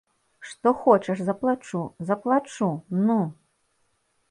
Што хочаш заплачу, заплачу, ну!